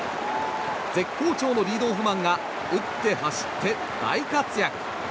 絶好調のリードオフマンが打って走って大活躍。